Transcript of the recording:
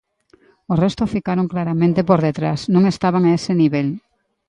O resto ficaron claramente por detrás, non estaban a ese nivel.